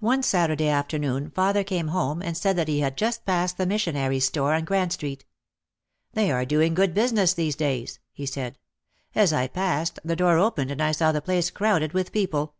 One Saturday afternoon father came home and said that he had just passed the missionaries* store on Grand Street. "They are doing good business these days," he said. "As I passed, the door opened and I saw the place crowded with people."